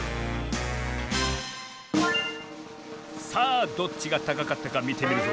さあどっちがたかかったかみてみるぞ。